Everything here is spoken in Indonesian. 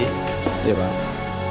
tidak apa apa ratita